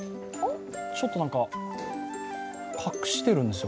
ちょっとなんか、隠してるんですよ。